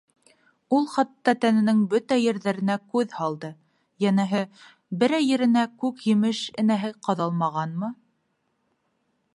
Ул хатта тәненең бөтә еренә күҙ һалды, йәнәһе, берәй еренә күк емеш энәһе ҡаҙалмағанмы?